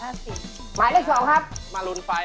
กับผมนะสองดอกเลยนะ